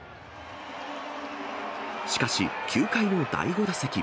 しかし、９回の第５打席。